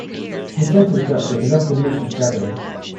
His sentence structure is often loose and straggling.